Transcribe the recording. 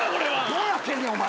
どうやってんねんお前。